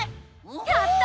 やった！